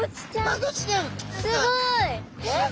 すごい！えっ？